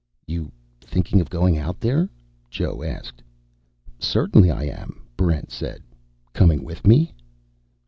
"You thinking of going out there?" Joe asked. "Certainly I am," Barrent said. "Coming with me?"